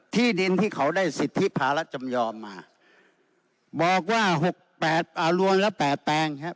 ที่ดินที่เขาได้สิทธิภาระจำยอมมาบอกว่าหกแปดอ่ารวมแล้ว๘แปลงฮะ